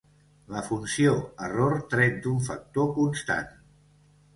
La funció error tret d'un factor constant.